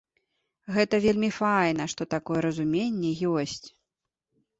Гэта вельмі файна, што такое разуменне ёсць.